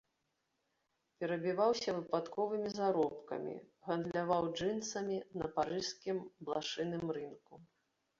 Перабіваўся выпадковымі заробкамі, гандляваў джынсамі на парыжскім блышыным рынку.